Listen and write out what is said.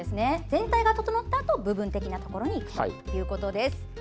全体が整ったあと部分的なところにいくということです。